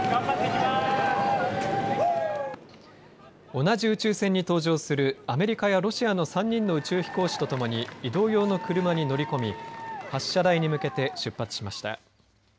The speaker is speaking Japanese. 同じ宇宙船に搭乗するアメリカやロシアの３人の宇宙飛行士と共に移動用の車に乗り込み発射台に向けて出発しました。